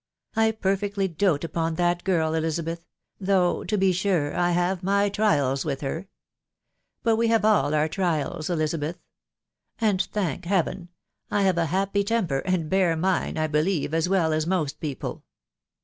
J perfectly dote upon that girl, "Elizabeth, .... tfaaagh* to be sure, I have my trials wHh her ! But*we have rail «ar trials, Elizabeth 1 ...• «nd, thank ^Heaven ! I.fcawa * happy temper, and bear mine, I believe, as well a&.saoat people.